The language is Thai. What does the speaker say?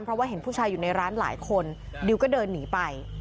เพราะว่าเห็นผู้ชายอยู่ในร้านหลายคนดิวก็เดินหนีไป